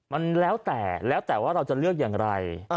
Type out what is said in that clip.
มันแล้วแต่แล้วแต่ว่าเราจะเลือกอย่างไร